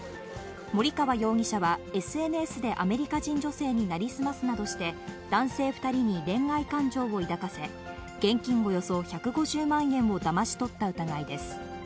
森川容疑者はＳＮＳでアメリカ人女性に成り済ますなどして、男性２人に恋愛感情を抱かせ、現金およそ１５０万円をだまし取った疑いです。